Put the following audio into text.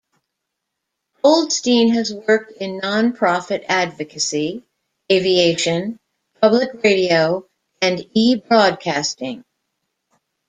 Goldstein has worked in non-profit advocacy, aviation, public radio and eBroadcasting.